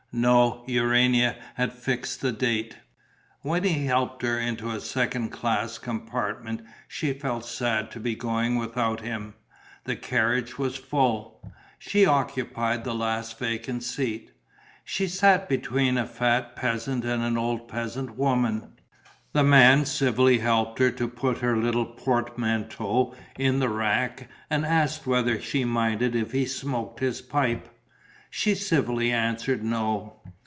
No, Urania had fixed the date. When he helped her into a second class compartment, she felt sad to be going without him. The carriage was full; she occupied the last vacant seat. She sat between a fat peasant and an old peasant woman; the man civilly helped her to put her little portmanteau in the rack and asked whether she minded if he smoked his pipe. She civilly answered no.